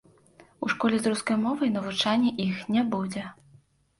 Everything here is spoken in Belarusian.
У школе з рускай мовай навучання іх не будзе.